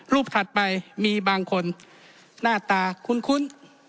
รูปถัดไปมีบางคนหน้าตาคุ้นคุ้น